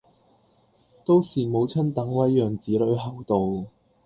都是母親等位讓子女後到